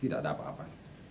tidak ada apa apa